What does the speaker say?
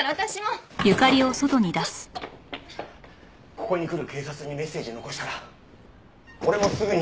ここに来る警察にメッセージ残したら俺もすぐに行く。